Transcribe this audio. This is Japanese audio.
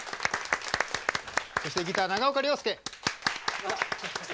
そしてギター長岡亮介。